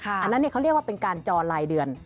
อันนั้นเขาเรียกว่าเป็นการจอรายเดือน